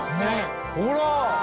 ほら！